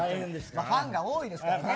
ファンが多いですからね。